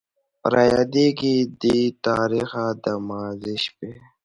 رايادېږي دې تاريخه د ماضي شپې